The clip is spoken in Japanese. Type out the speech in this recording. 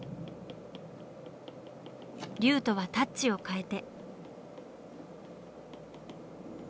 龍とはタッチを変えて。